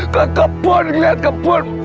ke kebun ngeliat kebun